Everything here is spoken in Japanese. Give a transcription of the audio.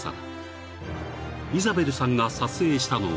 ［イザベルさんが撮影したのが］